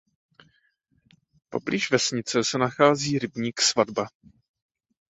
Poblíž vesnice se nachází rybník Svatba.